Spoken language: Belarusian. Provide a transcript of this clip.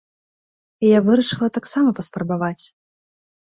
І я вырашыла таксама паспрабаваць.